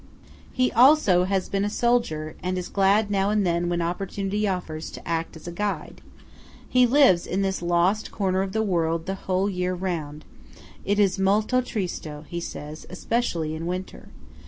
He also has been a soldier, and is glad now and then, when opportunity offers, to act as guide. He lives in this lost corner of the world the whole year round. It is "molto tristo," he says; especially in winter.